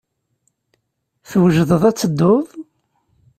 Twejdeḍ ad tedduḍ?